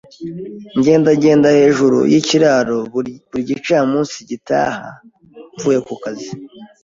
Ngenda ngenda hejuru yikiraro buri gicamunsi ngitaha mvuye kukazi.